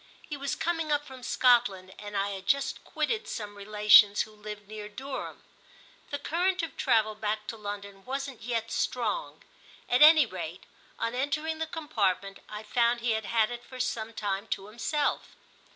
He was coming up from Scotland and I had just quitted some relations who lived near Durham. The current of travel back to London wasn't yet strong; at any rate on entering the compartment I found he had had it for some time to himself.